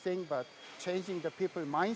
tapi mengubah pikiran orang juga penting